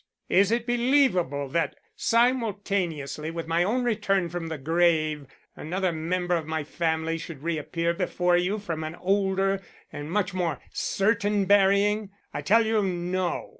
Is it believable that simultaneously with my own return from the grave another member of my family should reappear before you from an older and much more certain burying? I tell you no.